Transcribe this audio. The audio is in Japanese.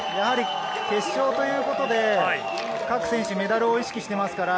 決勝ということで各選手メダルを意識していますから。